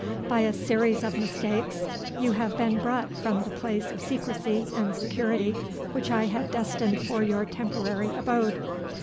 By a series of mistakes you have been brought from the place of secrecy and security which I had destined for your temporary abode.